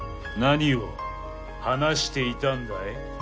何を話していたんだい？